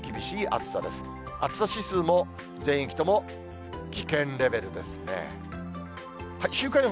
暑さ指数も、全域とも危険レベルですね。